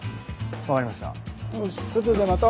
わかりました。